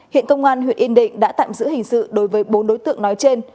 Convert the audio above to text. hiện công an huyện yên định đã tạm giữ hình sự đối với bốn đối tượng nói trên